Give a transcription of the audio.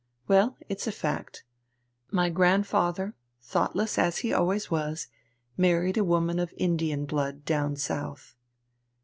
"Well, it's a fact. My grandfather, thoughtless as he always was, married a woman of Indian blood down South."